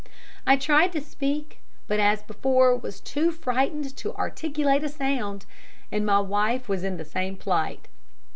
I tried to speak, but, as before, was too frightened to articulate a sound, and my wife was in the same plight.